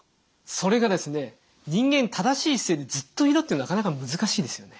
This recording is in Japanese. それがですね人間正しい姿勢でずっといるってなかなか難しいですよね。